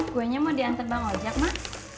kuenya mau diantar bang ojak mak